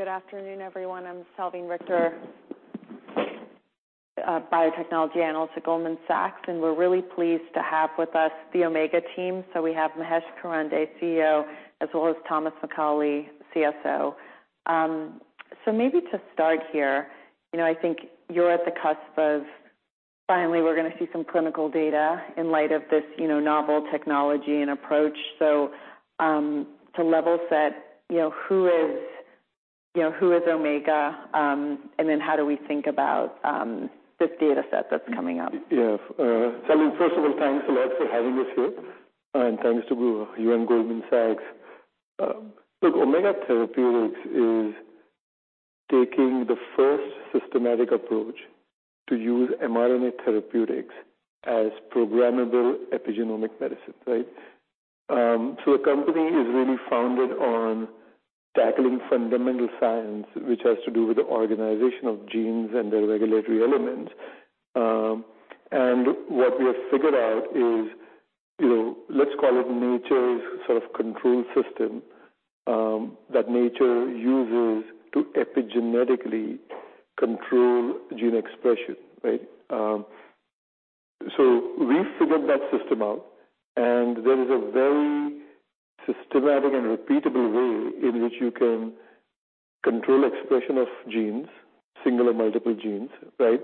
Good afternoon, everyone. I'm Salveen, biotechnology analyst at Goldman Sachs, we're really pleased to have with us the Omega team. We have Mahesh Karande, CEO, as well as Thomas McCauley, CSO. Maybe to start here, you know, I think you're at the cusp of finally, we're going to see some clinical data in light of this, you know, novel technology and approach. To level set, you know, who is Omega? How do we think about this data set that's coming up? Yeah. Salveen, first of all, thanks a lot for having us here, and thanks to you and Goldman Sachs. Look, Omega Therapeutics is taking the first systematic approach to use mRNA therapeutics as programmable epigenomic medicine, right? The company is really founded on tackling fundamental science, which has to do with the organization of genes and their regulatory elements. What we have figured out is, you know, let's call it nature's sort of control system that nature uses to epigenetically control gene expression, right? We figured that system out, and there is a very systematic and repeatable way in which you can control expression of genes, single or multiple genes, right?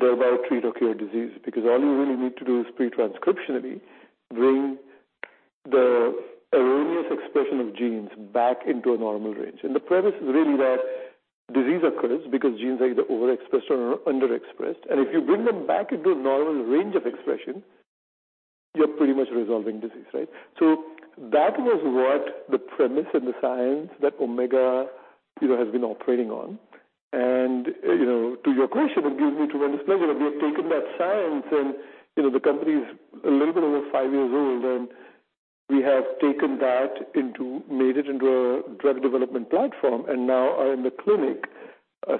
Thereby treat or cure disease, because all you really need to do is pre-transcriptionally bring the erroneous expression of genes back into a normal range. The premise is really that disease occurs because genes are either overexpressed or underexpressed, and if you bring them back into a normal range of expression, you're pretty much resolving disease, right? That was what the premise and the science that Omega, you know, has been operating on. You know, to your question, it gives me tremendous pleasure that we have taken that science, you know, the company is a little bit over five years old, we have made it into a drug development platform, now are in the clinic,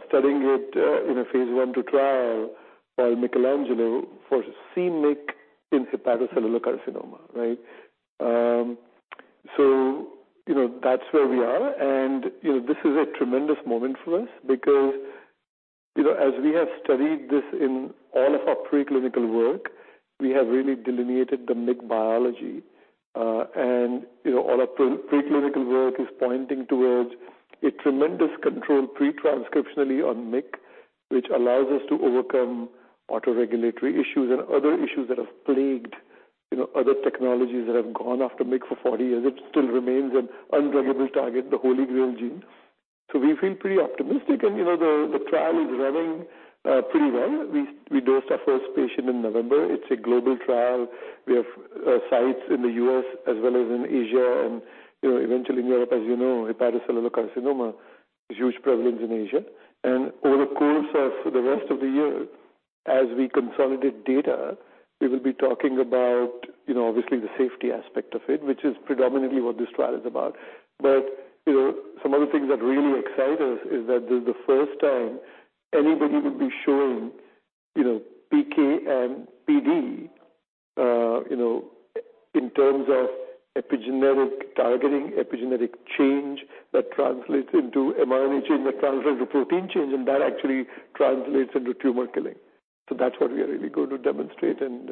studying it in a phase I/II trial by MYCHELANGELO for c-Myc in hepatocellular carcinoma, right? You know, that's where we are. You know, this is a tremendous moment for us because, you know, as we have studied this in all of our preclinical work, we have really delineated the MYC biology. You know, all our preclinical work is pointing towards a tremendous control pre-transcriptionally on MYC, which allows us to overcome autoregulatory issues and other issues that have plagued, you know, other technologies that have gone after MYC for 40 years. It still remains an undruggable target, the Holy Grail gene. We feel pretty optimistic. You know, the trial is running pretty well. We dosed our first patient in November. It's a global trial. We have sites in the U.S. as well as in Asia and, you know, eventually in Europe. As you know, hepatocellular carcinoma is huge prevalence in Asia. Over the course of the rest of the year, as we consolidate data, we will be talking about, you know, obviously, the safety aspect of it, which is predominantly what this trial is about. You know, some of the things that really excite us is that this is the first time anybody would be showing, you know, PK and PD, you know, in terms of epigenetic targeting, epigenetic change, that translates into mRNA change, that translates to protein change, and that actually translates into tumor killing. That's what we are really going to demonstrate, and,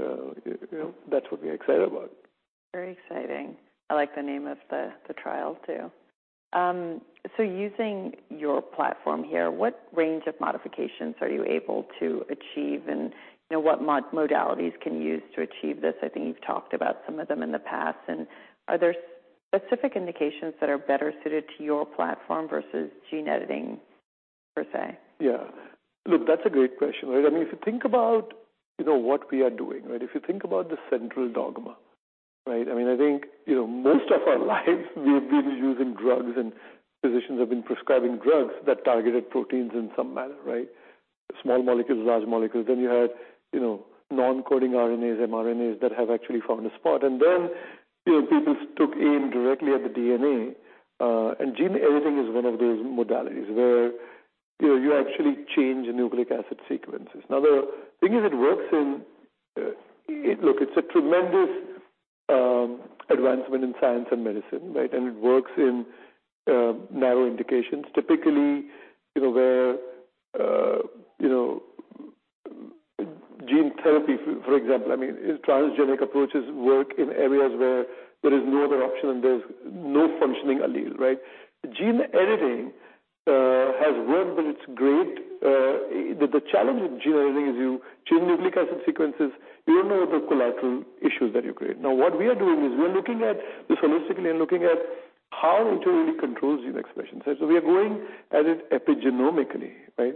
you know, that's what we're excited about. Very exciting. I like the name of the trial, too. Using your platform here, what range of modifications are you able to achieve? You know, what modalities can you use to achieve this? I think you've talked about some of them in the past. Are there specific indications that are better suited to your platform versus gene editing, uncertain? Yeah. Look, that's a great question, right? I mean, if you think about, you know, what we are doing, right, if you think about the central dogma, right. I mean, I think, you know, most of our lives we've been using drugs, and physicians have been prescribing drugs that targeted proteins in some manner, right. Small molecules, large molecules. You had, you know, non-coding RNAs, mRNAs, that have actually found a spot, and then, you know, people took aim directly at the DNA. Gene editing is one of those modalities where, you know, you actually change nucleic acid sequences. Now, the thing is, it works in... Look, it's a tremendous advancement in science and medicine, right. It works in narrow indications. Typically, you know, where, you know, gene therapy, for example, I mean, transgenic approaches work in areas where there is no other option, and there's no functioning allele, right? Gene editing has worked, but it's great. The challenge with gene editing is you change nucleic acid sequences, you don't know the collateral issues that you create. Now, what we are doing is we are looking at this holistically and looking at how it really controls gene expression. We are going at it epigenomically, right?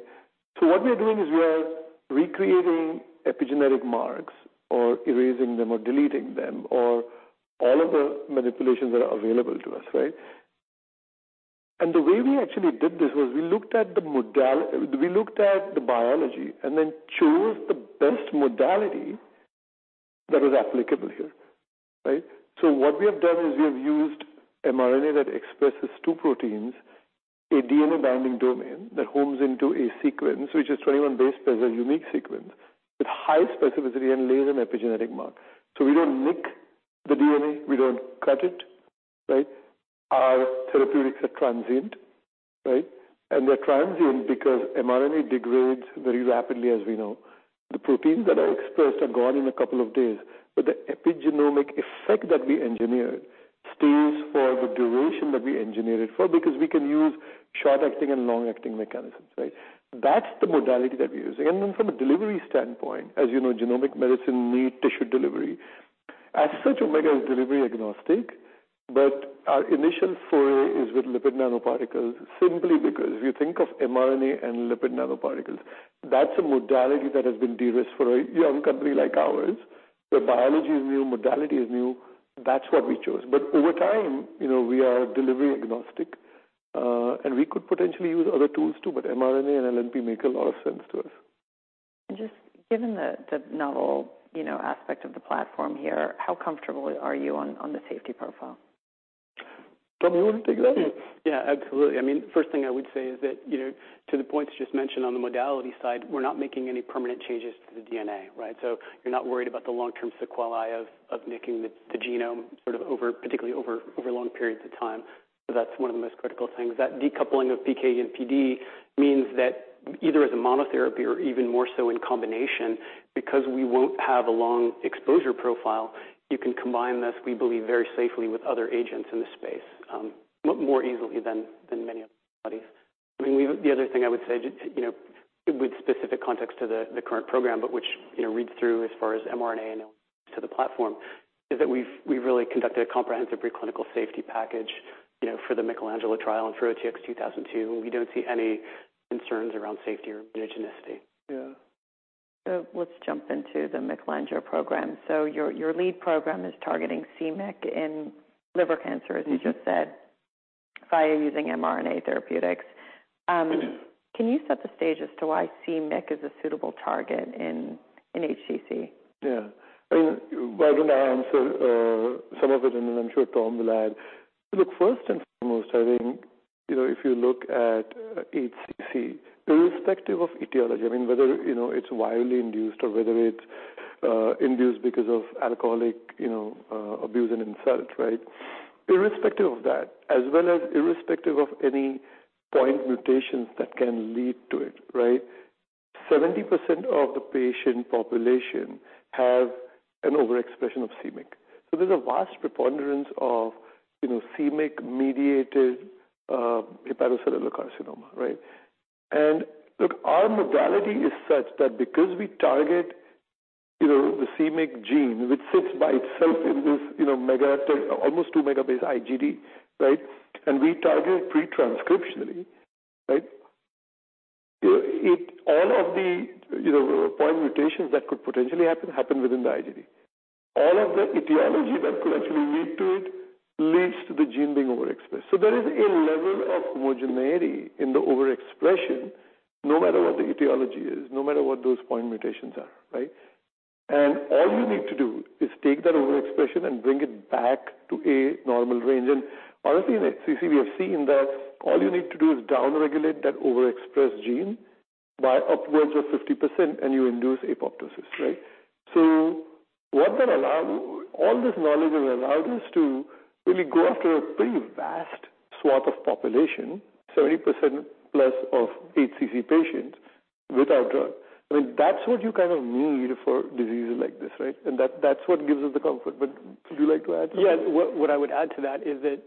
What we are doing is we are recreating epigenetic marks or erasing them or deleting them, or all of the manipulations that are available to us, right? The way we actually did this was we looked at the biology and then chose the best modality that was applicable here, right? What we have done is we have used mRNA that expresses two proteins. A DNA-binding domain that hones into a sequence, which is 21 base pairs, a unique sequence, with high specificity and lays an epigenetic mark. We don't nick the DNA, we don't cut it, right? Our therapeutics are transient, right? They're transient because mRNA degrades very rapidly, as we know. The proteins that are expressed are gone in a couple of days, but the epigenomic effect that we engineered stays for the duration that we engineer it for, because we can use short-acting and long-acting mechanisms, right? That's the modality that we're using. From a delivery standpoint, as you know, genomic medicine need tissue delivery. As such, Omega is delivery agnostic, but our initial foray is with lipid nanoparticles. Simply because if you think of mRNA and lipid nanoparticles, that's a modality that has been de-risked for a young company like ours, where biology is new, modality is new. That's what we chose. Over time, you know, we are delivery agnostic, and we could potentially use other tools too, but mRNA and LNP make a lot of sense to us. Just given the novel, you know, aspect of the platform here, how comfortable are you on the safety profile? Tom, you want to take that? Yeah, absolutely. I mean, first thing I would say is that, you know, to the point you just mentioned on the modality side, we're not making any permanent changes to the DNA, right? You're not worried about the long-term sequelae of making the genome sort of over, particularly over long periods of time. That's one of the most critical things. That decoupling of PK and PD means that either as a monotherapy or even more so in combination, because we won't have a long exposure profile, you can combine this, we believe, very safely with other agents in the space, more easily than many other studies. I mean, the other thing I would say, you know, with specific context to the current program, but which, you know, reads through as far as mRNA and to the platform, is that we've really conducted a comprehensive preclinical safety package, you know, for the MYCHELANGELO trial and for OTX-2002. We don't see any concerns around safety or immunogenicity. Yeah. Let's jump into the MYCHELANGELO program. Your lead program is targeting c-Myc in liver cancer, as you just said. Mm-hmm via using mRNA therapeutics. It is. Can you set the stage as to why c-Myc is a suitable target in HCC? Yeah. I mean, why don't I answer some of it, and then I'm sure Tom will add. Look, first and foremost, I think, you know, if you look at HCC, irrespective of etiology, I mean, whether, you know, it's wildly induced or whether it's induced because of alcoholic, you know, abuse and insult, right? Irrespective of that, as well as irrespective of any point mutations that can lead to it, right, 70% of the patient population have an overexpression of c-Myc. There's a vast preponderance of, you know, c-Myc-mediated hepatocellular carcinoma, right? Look, our modality is such that because we target, you know, the c-Myc gene, which sits by itself in this, you know, mega, almost 2 megabase IGD, right? We target pre-transcriptionally, right? All of the, you know, point mutations that could potentially happen within the IGV. All of the etiology that could actually lead to it, leads to the gene being overexpressed. There is a level of homogeneity in the overexpression, no matter what the etiology is, no matter what those point mutations are, right? All you need to do is take that overexpression and bring it back to a normal range. Honestly, in HCC, we have seen that all you need to do is downregulate that overexpressed gene by upwards of 50% and you induce apoptosis, right? What all this knowledge has allowed us to really go after a pretty vast swath of population, 70% plus of HCC patients with our drug. I mean, that's what you kind of need for diseases like this, right? That's what gives us the comfort. Would you like to add to that? Yes. What I would add to that is that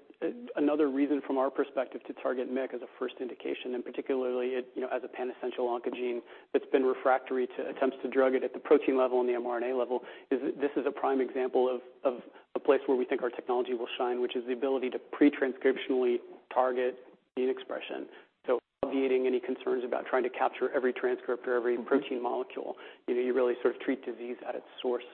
another reason from our perspective to target MYC as a first indication, and particularly, you know, as a pan-essential oncogene that's been refractory to attempts to drug it at the protein level and the mRNA level, is this is a prime example of a place where we think our technology will shine, which is the ability to pre-transcriptionally target gene expression. Obviating any concerns about trying to capture every transcript or every protein molecule, you know, you really sort of treat disease at its source.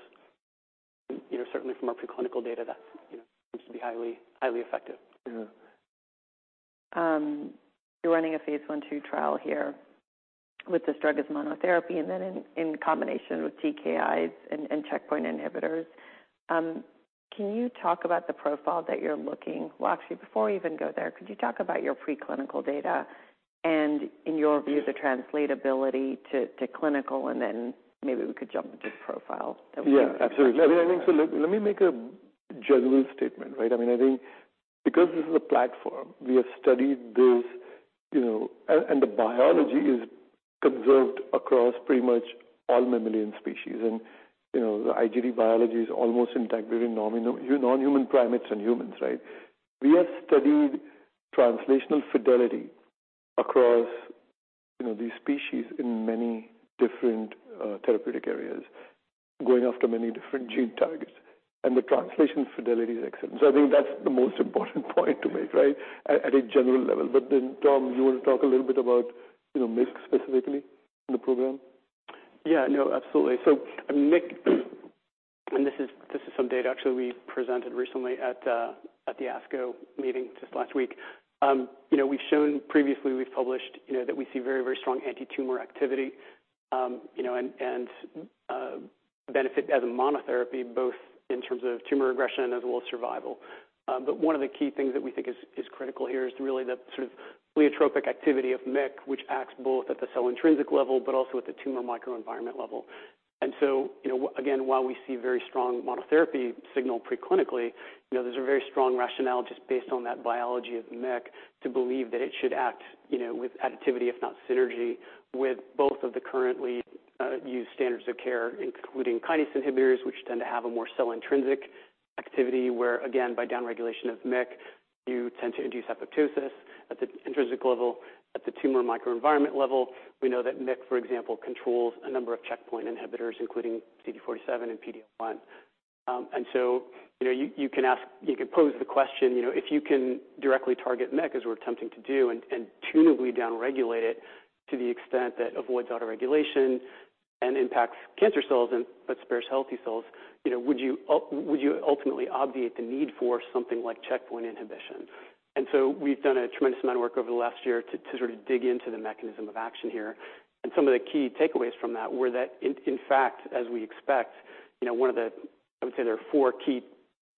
You know, certainly from our preclinical data, that seems to be highly effective. Yeah. You're running a phase 1/2 trial here with this drug as monotherapy and then in combination with TKIs and checkpoint inhibitors. Can you talk about the profile? Well, actually, before we even go there, could you talk about your preclinical data and, in your view, the translatability to clinical, and then maybe we could jump into profile? Yeah. Absolutely. I mean, let me make a general statement, right? I mean, I think because this is a platform, we have studied this, you know, the biology is conserved across pretty much all mammalian species. You know, the IGD biology is almost intact between non-human primates and humans, right? We have studied translational fidelity across, you know, these species in many different therapeutic areas, going after many different gene targets, the translation fidelity is excellent. I think that's the most important point to make, right, at a general level. Tom, you want to talk a little bit about, you know, MYC specifically in the program? Yeah, no, absolutely. MYC, and this is some data actually we presented recently at the ASCO meeting just last week. You know, we've shown previously, we've published, you know, that we see very strong antitumor activity. You know, and benefit as a monotherapy, both in terms of tumor regression as well as survival. But one of the key things that we think is critical here is really the sort of pleiotropic activity of MYC, which acts both at the cell intrinsic level but also at the tumor microenvironment level. you know, again, while we see very strong monotherapy signal preclinically, you know, there's a very strong rationale just based on that biology of MYC, to believe that it should act, you know, with additivity if not synergy, with both of the currently used standards of care, including kinase inhibitors, which tend to have a more cell-intrinsic activity, where, again, by downregulation of MYC, you tend to induce apoptosis at the intrinsic level. At the tumor microenvironment level, we know that MYC, for example, controls a number of checkpoint inhibitors, including CD47 and PD-L1. So, you know, you can pose the question, you know, if you can directly target MYC, as we're attempting to do, and tunably downregulate it to the extent that avoids autoregulation and impacts cancer cells and, but spares healthy cells, you know, would you ultimately obviate the need for something like checkpoint inhibition? So we've done a tremendous amount of work over the last year to sort of dig into the mechanism of action here. Some of the key takeaways from that were that in fact, as we expect, you know, one of the... I would say there are four key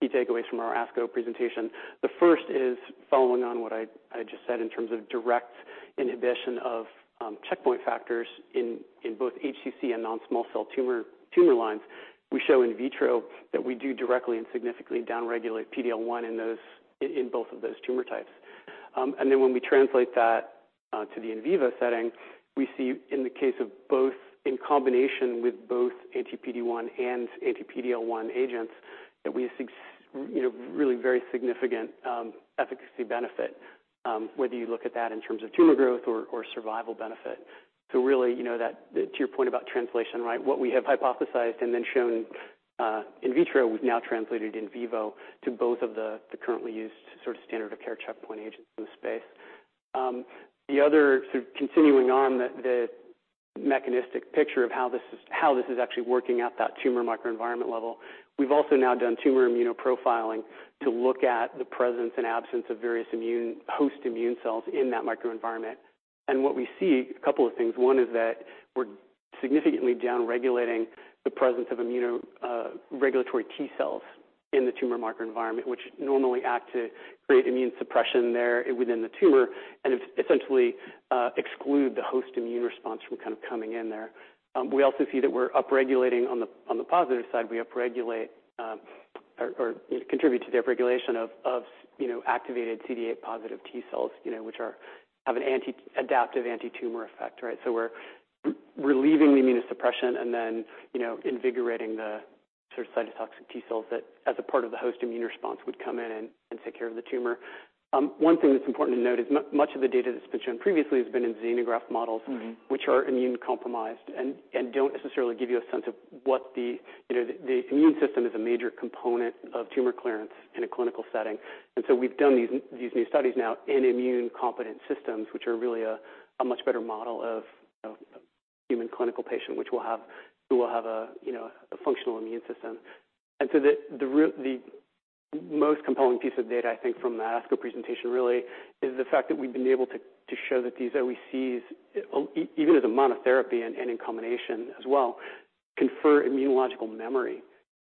takeaways from our ASCO presentation. The first is following on what I just said in terms of direct inhibition of checkpoint factors in both HCC and non-small cell tumor lines. We show in vitro that we do directly and significantly downregulate PD-L1 in both of those tumor types. Then when we translate that to the in vivo setting, we see in the case of both in combination with both anti-PD-1 and anti-PD-L1 agents, that we see, you know, really very significant efficacy benefit, whether you look at that in terms of tumor growth or survival benefit. Really, you know, that, to your point about translation, right? What we have hypothesized and then shown in vitro, we've now translated in vivo to both of the currently used sort of standard of care checkpoint agents in the space. The other, sort of continuing on the mechanistic picture of how this is, how this is actually working at that tumor microenvironment level, we've also now done tumor immunoprofiling to look at the presence and absence of various immune, host immune cells in that microenvironment. What we see, a couple of things. One is that we're significantly downregulating the presence of immuno regulatory T cells in the tumor microenvironment, which normally act to create immune suppression there within the tumor and essentially exclude the host immune response from kind of coming in there. We also see that we're upregulating on the, on the positive side, we upregulate, or contribute to the upregulation of, you know, activated CD8-positive T cells, you know, which have an anti-adaptive, antitumor effect, right? We're relieving the immunosuppression and then, you know, invigorating the sort of cytotoxic T cells that as a part of the host immune response, would come in and take care of the tumor. One thing that's important to note is much of the data that's been shown previously has been in xenograft models. which are immune-compromised and don't necessarily give you a sense of what the. You know, the immune system is a major component of tumor clearance in a clinical setting. We've done these new studies now in immune-competent systems, which are really a much better model of human clinical patient, who will have a, you know, a functional immune system. The most compelling piece of data, I think, from the ASCO presentation really is the fact that we've been able to show that these OEC, even as a monotherapy and in combination as well, confer immunological memory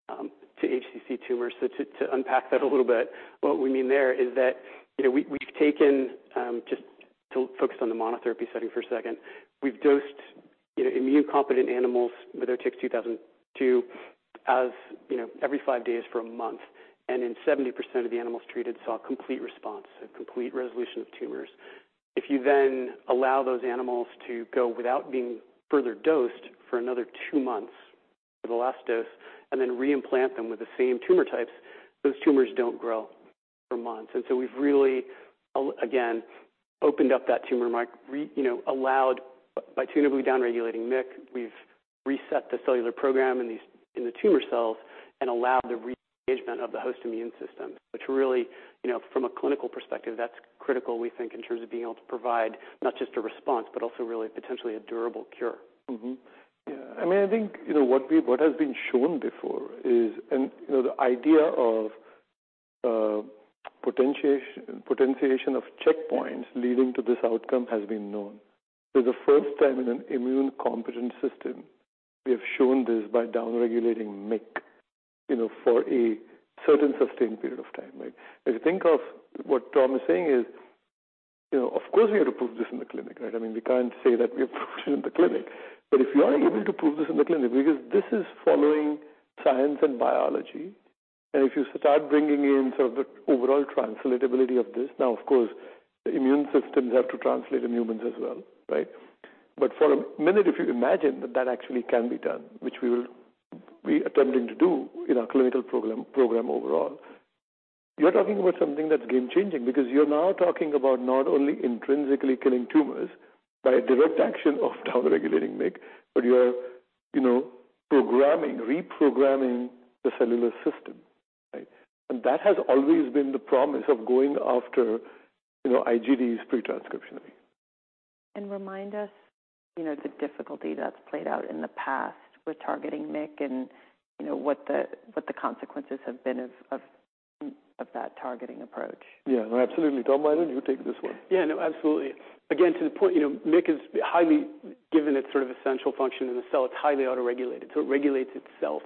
to HCC tumors. To unpack that a little bit, what we mean there is that, you know, we've taken just to focus on the monotherapy setting for a second. We've dosed, you know, immune-competent animals with OTX-2002, as you know, every five days for a month, and in 70% of the animals treated, saw complete response, a complete resolution of tumors. If you then allow those animals to go without being further dosed for another two months for the last dose, and then re-implant them with the same tumor types, those tumors don't grow for months. We've really, again, opened up that tumor, you know, allowed by tunably downregulating MYC, we've reset the cellular program in these, in the tumor cells and allowed the re-engagement of the host immune system, which really, you know, from a clinical perspective, that's critical, we think, in terms of being able to provide not just a response, but also really potentially a durable cure. I mean, I think, you know, what has been shown before is, and, you know, the idea of potentiation of checkpoints leading to this outcome has been known. For the first time in an immune-competent system, we have shown this by downregulating MYC, you know, for a certain sustained period of time, right? If you think of what Tom is saying is, you know, of course, we have to prove this in the clinic, right? I mean, we can't say that we have proved it in the clinic. If you are able to prove this in the clinic, because this is following science and biology, and if you start bringing in sort of the overall translatability of this, now, of course, the immune systems have to translate in humans as well, right? For a minute, if you imagine that that actually can be done, which we are attempting to do in our clinical program overall, you're talking about something that's game-changing. You're now talking about not only intrinsically killing tumors by direct action of downregulating MYC, but you are, you know, reprogramming the cellular system, right? That has always been the promise of going after, you know, IGDs pre-transcriptionally. Remind us, you know, the difficulty that's played out in the past with targeting MYC and, you know, what the, what the consequences have been of that targeting approach. Yeah, absolutely. Tom, why don't you take this one? Yeah, no, absolutely. Again, to the point, you know, MYC is given its sort of essential function in the cell, it's highly autoregulated, so it regulates itself.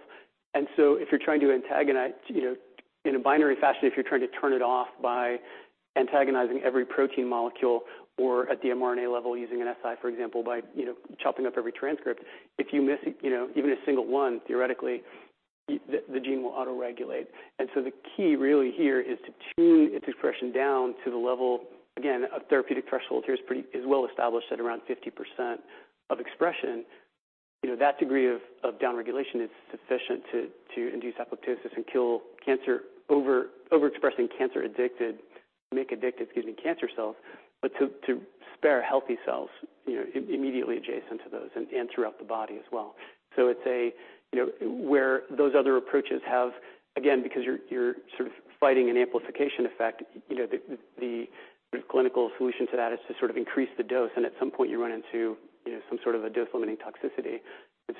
If you're trying to antagonize, you know, in a binary fashion, if you're trying to turn it off by antagonizing every protein molecule or at the mRNA level, using an siRNA, for example, by, you know, chopping up every transcript, if you miss, you know, even a single one, theoretically, the gene will autoregulate. The key really here is to tune its expression down to the level, again, of therapeutic threshold. Here's is well established at around 50% of expression. You know, that degree of downregulation is sufficient to induce apoptosis and kill cancer overexpressing MYC-addicted, excuse me, cancer cells, but to spare healthy cells, you know, immediately adjacent to those and throughout the body as well. It's a, you know, where those other approaches have, again, because you're sort of fighting an amplification effect, you know, the clinical solution to that is to sort of increase the dose, and at some point you run into, you know, some sort of a dose-limiting toxicity.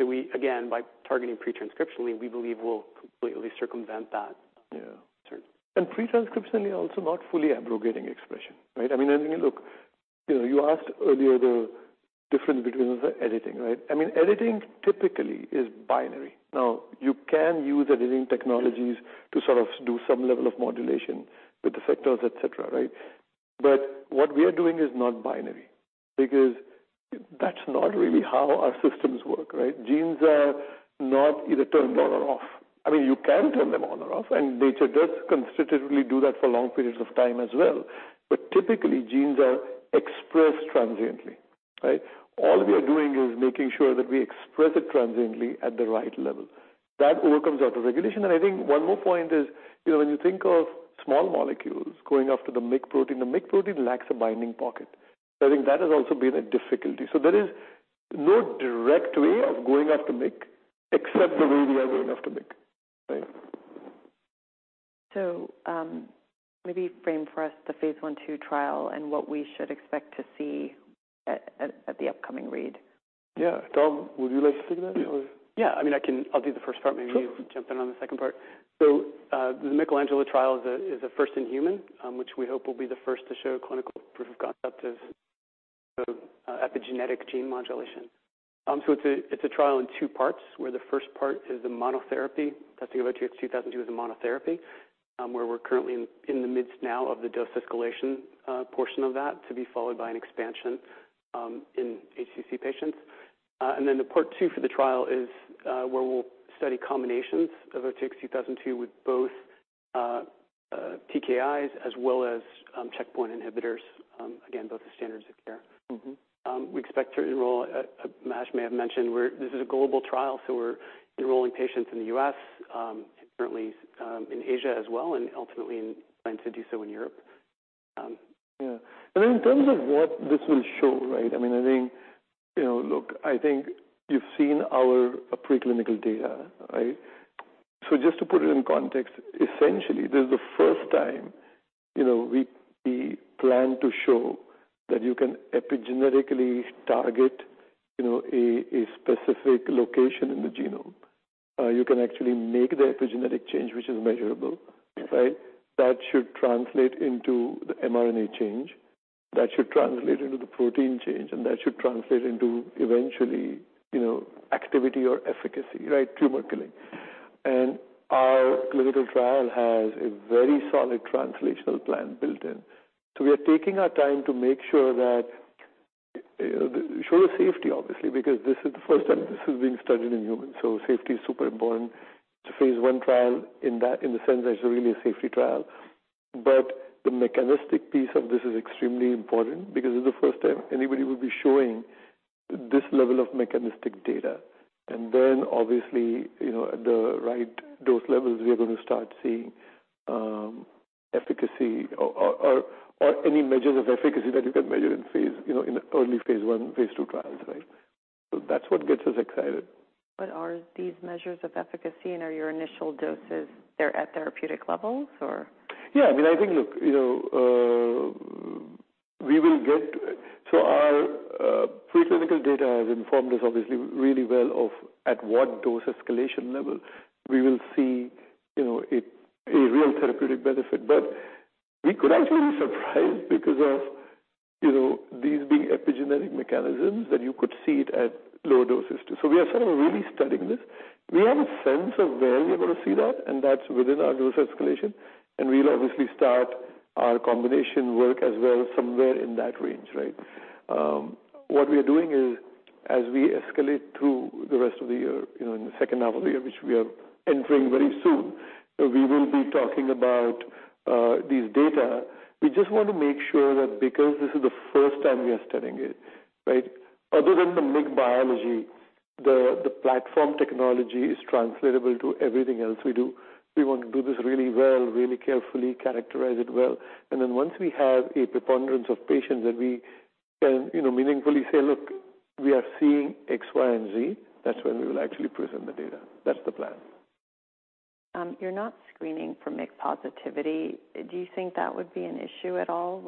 We, again, by targeting pretranscriptionally, we believe will completely circumvent that. Yeah. Pretranscriptionally also not fully abrogating expression, right? I mean, I think, look, you know, you asked earlier the difference between editing, right? I mean, editing typically is binary. Now, you can use editing technologies to sort of do some level of modulation with effectors, et cetera, right? What we are doing is not binary because that's not really how our systems work, right? Genes are not either turned on or off. I mean, you can turn them on or off, and nature does constitutively do that for long periods of time as well. Typically, genes are expressed transiently, right? All we are doing is making sure that we express it transiently at the right level. That overcomes autoregulation. I think one more point is, you know, when you think of small molecules going after the MYC protein, the MYC protein lacks a binding pocket. I think that has also been a difficulty. There is no direct way of going after MYC except the way we are going after MYC, right? Maybe frame for us the phase 1/2 trial and what we should expect to see at the upcoming read. Yeah. Tom, would you like to take that or? Yeah, I mean, I'll do the first part. Sure. Maybe you can jump in on the second part. The MYCHeLangelo-I trial is a first in human, which we hope will be the first to show clinical proof of concept of epigenetic gene modulation. It's a trial in two parts, where the first part is a monotherapy, testing OTX-2002 as a monotherapy, where we're currently in the midst now of the dose escalation portion of that, to be followed by an expansion in HCC patients. The part two for the trial is where we'll study combinations of OTX-2002 with both TKIs, as well as checkpoint inhibitors, again, both the standards of care. We expect to enroll, Mash may have mentioned, this is a global trial, so we're enrolling patients in the U.S., currently, in Asia as well, and ultimately plan to do so in Europe. Yeah. In terms of what this will show, right? I mean, I think, you know, look, I think you've seen our preclinical data, right? Just to put it in context, essentially, this is the first time, you know, we plan to show that you can epigenetically target, you know, a specific location in the genome. You can actually make the epigenetic change, which is measurable, right? That should translate into the mRNA change, that should translate into the protein change, and that should translate into eventually, you know, activity or efficacy, right? Tumor killing. Our clinical trial has a very solid translational plan built in. We are taking our time to make sure that, you know, show safety, obviously, because this is the first time this is being studied in humans. Safety is super important to phase I trial in that, in the sense that it's really a safety trial. The mechanistic piece of this is extremely important because it's the first time anybody will be showing this level of mechanistic data. Obviously, you know, at the right dose levels, we are going to start seeing efficacy or any measures of efficacy that you can measure in phase, you know, in early phase I, phase II trials, right. That's what gets us excited. What are these measures of efficacy, and are your initial doses, they're at therapeutic levels or? Yeah, I mean, I think, look, you know, So our preclinical data has informed us obviously, really well of at what dose escalation level we will see, you know, a real therapeutic benefit. We could actually be surprised because of, you know, these being epigenetic mechanisms, that you could see it at low doses, too. We are sort of really studying this. We have a sense of where we are going to see that, and that's within our dose escalation, and we'll obviously start our combination work as well, somewhere in that range, right? What we are doing is, as we escalate through the rest of the year, you know, in the second half of the year, which we are entering very soon, we will be talking about these data. We just want to make sure that because this is the first time we are studying it, right? Other than the MYC biology, the platform technology is translatable to everything else we do. We want to do this really well, really carefully, characterize it well, and then once we have a preponderance of patients that we can, you know, meaningfully say: Look, we are seeing X, Y, and Z, that's when we will actually present the data. That's the plan. You're not screening for MYC positivity. Do you think that would be an issue at all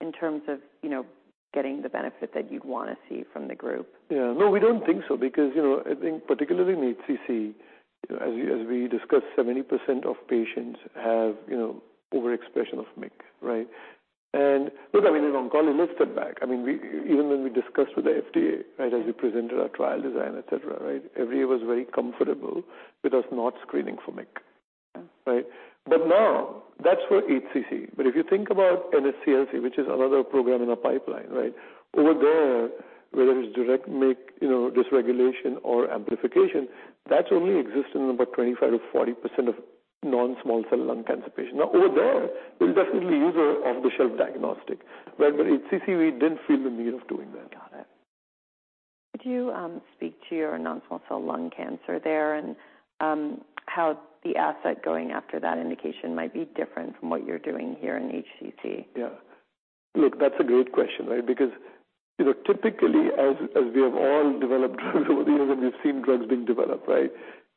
in terms of, you know, getting the benefit that you'd want to see from the group? Yeah. No, we don't think so. You know, I think particularly in HCC, you know, as we discussed, 70% of patients have, you know, overexpression of MYC, right? Look, I mean, in oncology, let's step back. I mean, even when we discussed with the FDA, right, as we presented our trial design, et cetera, right, everybody was very comfortable with us not screening for MYC, right? Now that's for HCC. If you think about NSCLC, which is another program in our pipeline, right, over there, whether it's direct MYC, you know, dysregulation or amplification, that only exists in about 25%-40% of non-small cell lung cancer patients. Over there, we definitely use an off-the-shelf diagnostic. HCC, we didn't feel the need of doing that. Got it. Could you speak to your non-small cell lung cancer there, and how the asset going after that indication might be different from what you're doing here in HCC? Yeah. Look, that's a great question, right? You know, typically, as we have all developed drugs over the years and we've seen drugs being developed, right,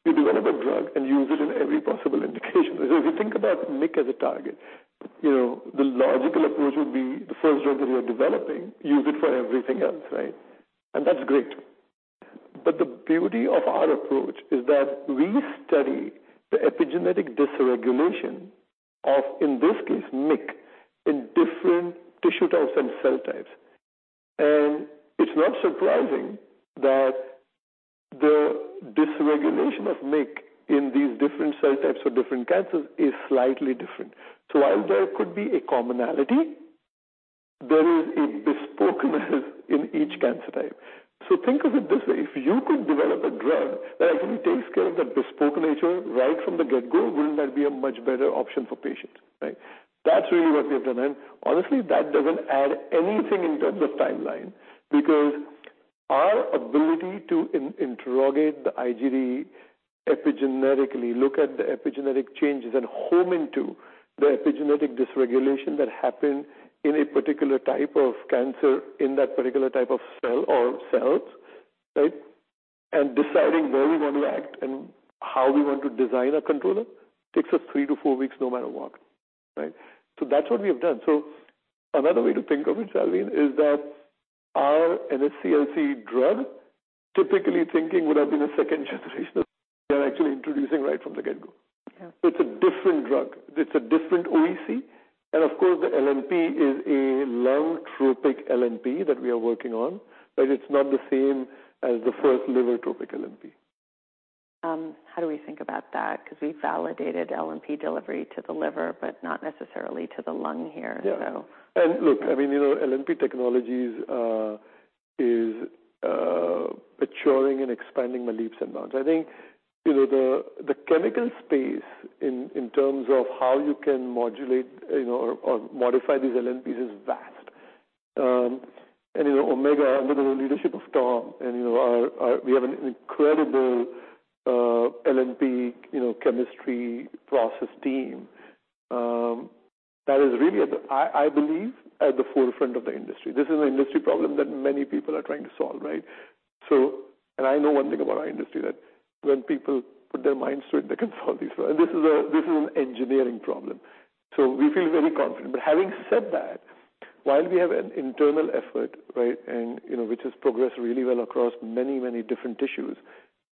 you develop a drug and use it in every possible indication. If you think about MYC as a target, you know, the logical approach would be the first drug that you are developing, use it for everything else, right? That's great. The beauty of our approach is that we study the epigenetic dysregulation of, in this case, MYC, in different tissue types and cell types. It's not surprising that the dysregulation of MYC in these different cell types or different cancers is slightly different. While there could be a commonality, there is a bespokeness in each cancer type. Think of it this way: If you could develop a drug that actually takes care of the bespoke nature right from the get-go, wouldn't that be a much better option for patients, right? That's really what we have done, honestly, that doesn't add anything in terms of timeline. Our ability to interrogate the IGD epigenetically, look at the epigenetic changes and home into the epigenetic dysregulation that happened in a particular type of cancer, in that particular type of cell or cells, right? Deciding where we want to act and how we want to design or control it, takes us three to four weeks, no matter what, right? That's what we have done. Another way to think of it, Salveen, is that our NSCLC drug, typically thinking, would have been a second generation. We're actually introducing right from the get-go. Yeah. It's a different drug. It's a different OEC, and of course, the LNP is a lung-tropic LNP that we are working on, but it's not the same as the first liver-tropic LNP. How do we think about that? Because we validated LNP delivery to the liver, but not necessarily to the lung here, so. Yeah. Look, I mean, you know, LNP technologies is maturing and expanding by leaps and bounds. I think, you know, the chemical space in terms of how you can modulate, you know, or modify these LNPs is vast. You know, Omega, under the leadership of Tom, we have an incredible LNP, you know, chemistry process team. That is really at the forefront of the industry. This is an industry problem that many people are trying to solve, right? I know one thing about our industry, that when people put their minds to it, they can solve these problems. This is an engineering problem, we feel very confident. Having said that, while we have an internal effort, right, you know, which has progressed really well across many different tissues,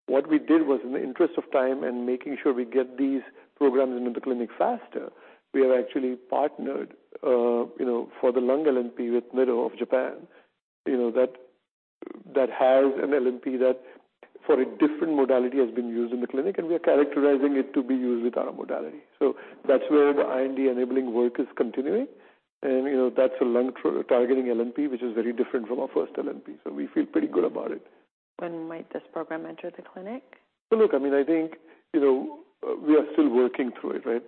what we did was, in the interest of time and making sure we get these programs into the clinic faster, we have actually partnered, you know, for the lung LNP with Nitto. That has an LNP that for a different modality, has been used in the clinic, and we are characterizing it to be used with our modality. That's where the IND-enabling work is continuing. You know, that's a lung targeting LNP, which is very different from our first LNP. We feel pretty good about it. When might this program enter the clinic? Look, I mean, I think, you know, we are still working through it, right?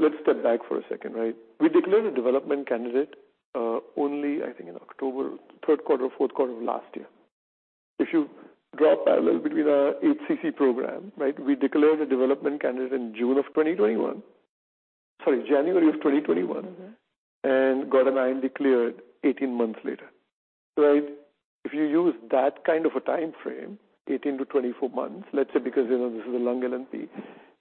Let's step back for a second, right? We declared a development candidate, only, I think, in October, third quarter or fourth quarter of last year. If you draw a parallel between our HCC program, right, we declared a development candidate in June of 2021. Sorry, January of 2021. Okay. Got an IND declared 18 months later, right? If you use that kind of a time frame, 18-24 months, let's say, because, you know, this is a lung LNP,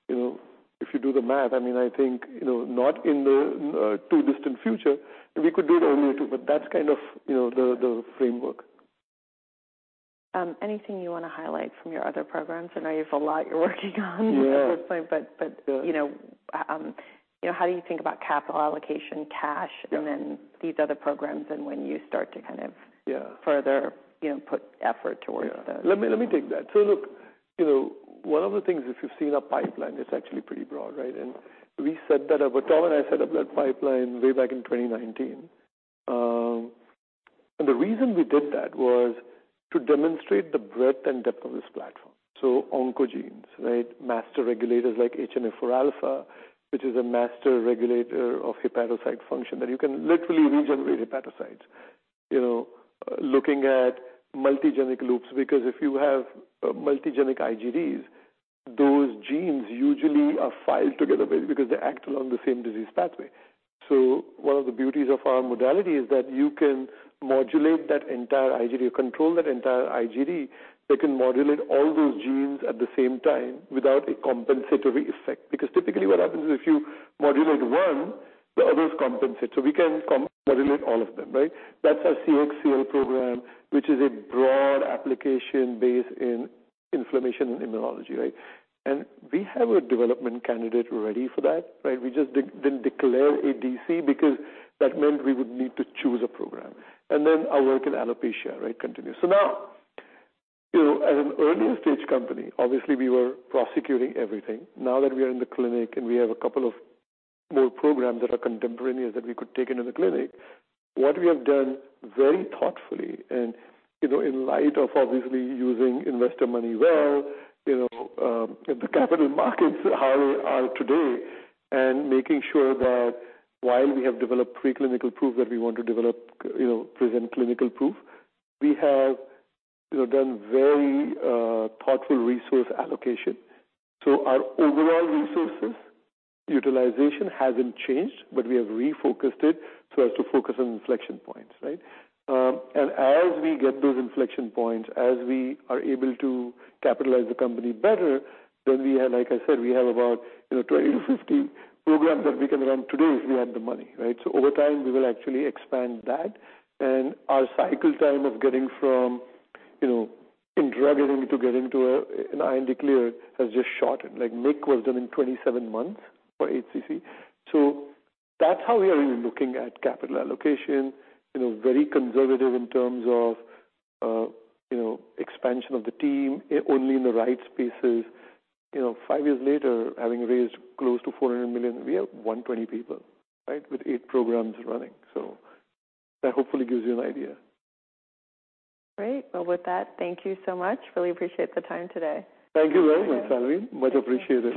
you know, if you do the math, I mean, I think, you know, not in the too distant future, we could do it only 2, but that's kind of, you know, the framework. Anything you want to highlight from your other programs? I know you have a lot you're working on. Yeah. at this point, but. Yeah. you know, you know, how do you think about capital allocation? Yeah. These other programs, and when you start to. Yeah. further, you know, put effort towards those? Let me take that. Look, you know, one of the things, if you've seen our pipeline, it's actually pretty broad, right? We set that up. Tom and I set up that pipeline way back in 2019. The reason we did that was to demonstrate the breadth and depth of this platform. Oncogenes, right? Master regulators like HNF4 alpha, which is a master regulator of hepatocyte function, that you can literally regenerate hepatocytes. You know, looking at multigenic loops, because if you have multigenic IGDs, those genes usually are filed together because they act along the same disease pathway. One of the beauties of our modality is that you can modulate that entire IGD, you control that entire IGD, that can modulate all those genes at the same time without a compensatory effect. Typically, what happens is if you modulate one, the others compensate, so we can modulate all of them, right? That's our CXCL program, which is a broad application based in inflammation and immunology, right? We have a development candidate ready for that, right? We just didn't declare ADC because that meant we would need to choose a program. Our work in alopecia, right, continues. Now, you know, as an earlier stage company, obviously we were prosecuting everything. Now that we are in the clinic and we have a couple of more programs that are contemporaneous that we could take into the clinic, what we have done very thoughtfully and, you know, in light of obviously using investor money well, you know, the capital markets how are today, and making sure that while we have developed preclinical proof that we want to develop, you know, present clinical proof, we have, you know, done very thoughtful resource allocation. Our overall resources utilization hasn't changed, but we have refocused it so as to focus on inflection points, right? As we get those inflection points, as we are able to capitalize the company better, then we have, like I said, we have about, you know, 20-50 programs that we can run today if we had the money, right? Over time, we will actually expand that. Our cycle time of getting from, you know, in drug getting to get into an IND clear has just shortened. Like, Merck was done in 27 months for HCC. That's how we are really looking at capital allocation, you know, very conservative in terms of, you know, expansion of the team only in the right spaces. You know, 5 years later, having raised close to $400 million, we have 120 people, right, with 8 programs running. That hopefully gives you an idea. Great. With that, thank you so much. Really appreciate the time today. Thank you very much, Salveen. Much appreciated.